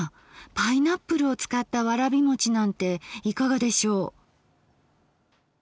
パイナップルを使ったわらびもちなんていかがでしょう？